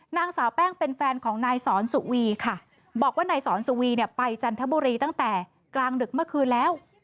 นางสาวแป้งเป็นแฟนของนายสอนสุวีค่ะบอกว่านายสอนสุวีเนี่ยไปจันทบุรีตั้งแต่กลางดึกเมื่อคืนแล้ว